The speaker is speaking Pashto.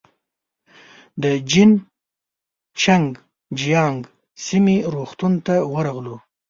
د جين چنګ جيانګ سیمې روغتون ته ورغلو.